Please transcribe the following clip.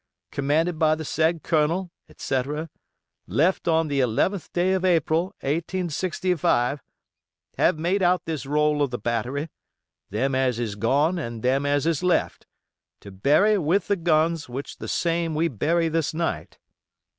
commanded by the said Col. etc., left on the 11th day of April, 1865, have made out this roll of the battery, them as is gone and them as is left, to bury with the guns which the same we bury this night.